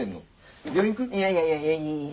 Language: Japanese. いやいやいやいやいいいい。